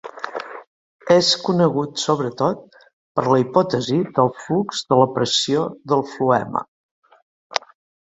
És conegut sobretot per la hipòtesi del flux de la pressió del floema.